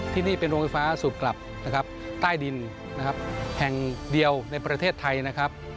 ที่นี่เป็นโรงไฟฟ้าสูบกลับนะครับใต้ดินนะครับแห่งเดียวในประเทศไทยนะครับ